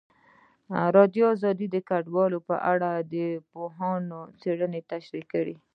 ازادي راډیو د کډوال په اړه د پوهانو څېړنې تشریح کړې.